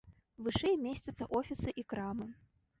Вышэй месцяцца офісы і крамы.